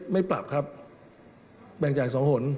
ไม่ปรับครับแบ่งจ่าย๒หน